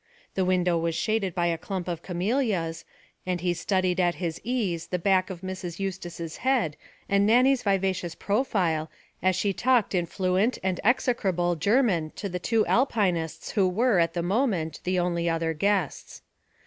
The window was shaded by a clump of camellias, and he studied at his ease the back of Mrs. Eustace's head and Nannie's vivacious profile as she talked in fluent and execrable German to the two Alpinists who were, at the moment, the only other guests.